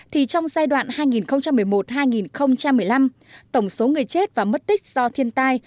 thì trong giai đoạn hai nghìn một mươi một hai nghìn một mươi năm tổng số người chết và mất tích do thiên tai